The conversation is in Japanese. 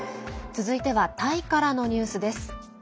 続いてはタイからのニュースです。